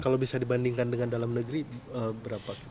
kalau bisa dibandingkan dengan dalam negeri berapa